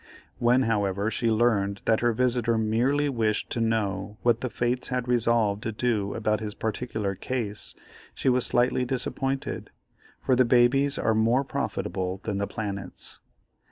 When, however, she learned that her visitor merely wished to know what the fates had resolved to do about his particular case, she was slightly disappointed, for the babies are more profitable than the planets.